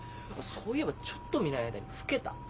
そういえばちょっと見ない間に老けた？